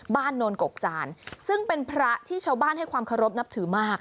โนนกกจานซึ่งเป็นพระที่ชาวบ้านให้ความเคารพนับถือมาก